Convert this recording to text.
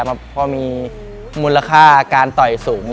เพราะว่ามีมูลค่าการต่อยสูง